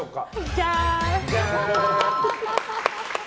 じゃーん！